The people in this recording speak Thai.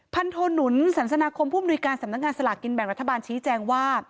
โทหนุนสันสนาคมผู้มนุยการสำนักงานสลากกินแบ่งรัฐบาลชี้แจงว่า